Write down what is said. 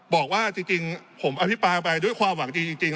บอกว่าจริงผมอภิปรายไปด้วยความหวังจริง